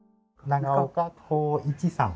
長岡孝一さん。